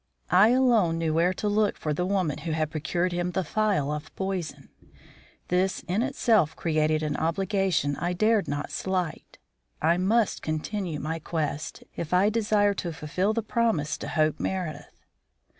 I alone knew where to look for the woman who had procured him the phial of poison. This in itself created an obligation I dared not slight. I must continue my quest, if I desired to fulfil my promise to Hope Meredith.